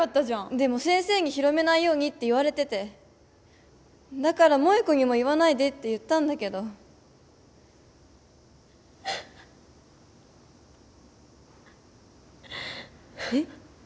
でも先生に広めないようにって言われててだから萌子にも言わないでって言ったんだけどえっ？